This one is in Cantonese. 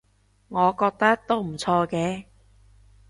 我覺得都唔錯嘅